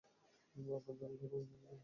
আপনারা আল্লাহর গৃহের প্রতিবেশী।